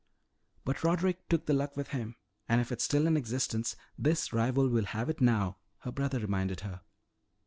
"But Roderick took the Luck with him. And if it's still in existence, this rival will have it now," her brother reminded her.